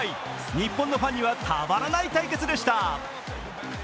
日本のファンにはたまらない対決でした。